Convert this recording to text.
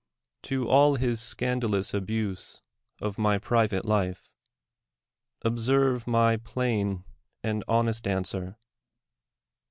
To all his scandalous abuse of my private life, observe my plain and honest answer.